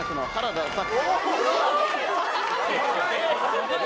すごーい！